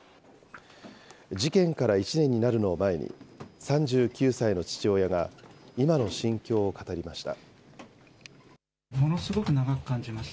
事件から１年になるのを前に、３９歳の父親が、今の心境を語りました。